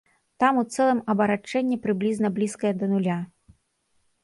Там у цэлым абарачэнне прыблізна блізкае да нуля.